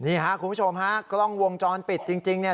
นี่ค่ะคุณผู้ชมฮะกล้องวงจรปิดจริงเนี่ย